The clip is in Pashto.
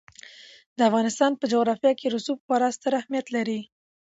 د افغانستان په جغرافیه کې رسوب خورا ستر اهمیت لري.